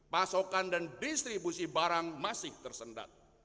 pasokan dan distribusi barang masih tersendat